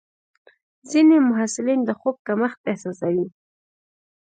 ځینې محصلین د خوب کمښت احساسوي.